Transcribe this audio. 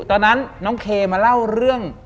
ตอนนั้นน้องเคมาเล่าเรื่อง